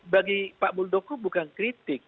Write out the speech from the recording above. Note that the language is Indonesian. bagi pak muldoko bukan kritik